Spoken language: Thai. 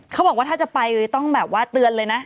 เขาบอกว่าถ้าจะไปต้องแบบว่าเตือนเลยนะ